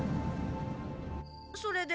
それで？